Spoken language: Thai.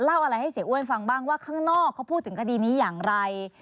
เล่าอะไรให้เสียอ้วนฟังบ้างว่าข้างนอกเขาพูดถึงคดีนี้อย่างไร